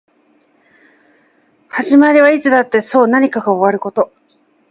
始まりはいつだってそう何かが終わること